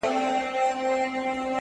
مېلمانه د دوکاندار پر دسترخوان وه!.